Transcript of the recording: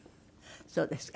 そうですか。